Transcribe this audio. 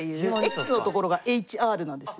ｘのところがＨＲなんですよ。